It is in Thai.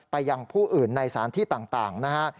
ยังผู้อื่นในสถานที่ต่างนะฮะ